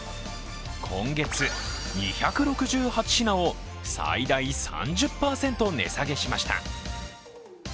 今月、２６８品を最大３０％値下げしました。